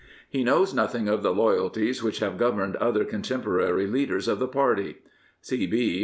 He knows nothing of the loyalties which have governed other contemporary leaders of the party. '' C. B."